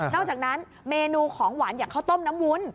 อกจากนั้นเมนูของหวานอย่างข้าวต้มน้ำวุ้น